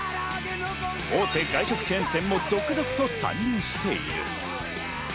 大手外食チェーン店も続々と参入している。